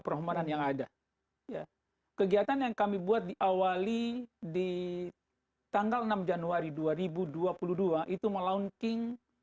perhomanan yang ada ya kegiatan yang kami buat diawali di tanggal enam januari dua ribu dua puluh dua itu melaunching